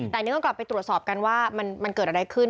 แต่อันนี้ต้องกลับไปตรวจสอบกันว่ามันเกิดอะไรขึ้น